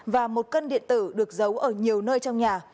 và một cân điện tử được giấu ở nhiều nơi trong nhà